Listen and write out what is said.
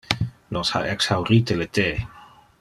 Nos ha exhaurite le the.